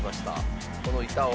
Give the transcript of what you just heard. この板を。